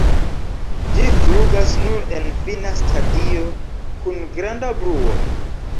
Ĝi flugas nur en fina stadio, kun granda bruo.